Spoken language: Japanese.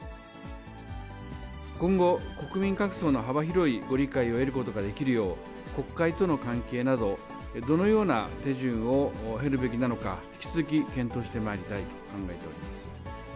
今後、国民各層の幅広いご理解を得ることができるよう、国会との関係など、どのような手順を経るべきなのか、引き続き検討してまいりたいと考えております。